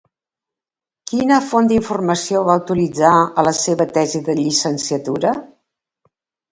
Quina font d'informació va utilitzar a la seva tesi de llicenciatura?